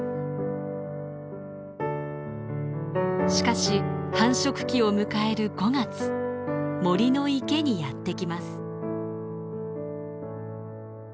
しかし繁殖期を迎える５月森の池にやって来ます。